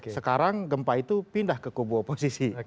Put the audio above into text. sekarang gempa itu pindah ke kubu oposisi